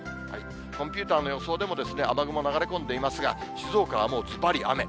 コンピューターの予想でも、雨雲流れ込んでいますが、静岡はもうずばり雨。